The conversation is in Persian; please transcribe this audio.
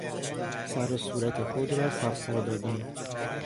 سر و صورت خود را صفاء دادن